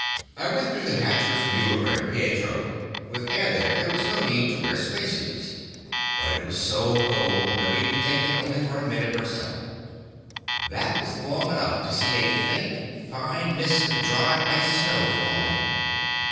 I went through the hatch with Muller and Pietro. With air there there was no need to wear space suits, but it was so cold that we could take it for only a minute or so. That was long enough to see a faint, fine mist of dry ice snow falling.